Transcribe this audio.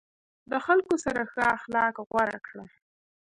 د خلکو سره ښه اخلاق غوره کړه.